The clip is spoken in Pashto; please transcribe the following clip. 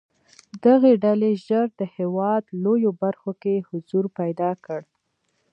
دغې ډلې ژر د هېواد لویو برخو کې حضور پیدا کړ.